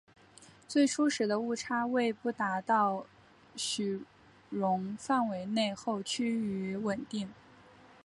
最初时的误差为不达到许容范围内后趋于稳定。